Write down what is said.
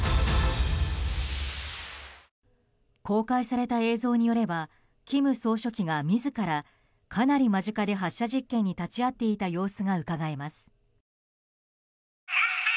公開された映像によれば金総書記が自らかなり間近で発射実験に立ち会っていた様子がうかがえます。